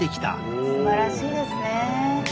すばらしいですね。